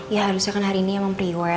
ya harusnya kan hari ini emang pre wed